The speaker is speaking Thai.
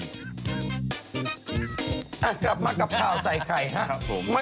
กลับมากับข่าวใส่ไข่ฮะ